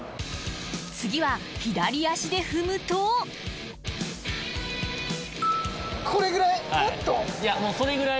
次は左足で踏むとこれくらい？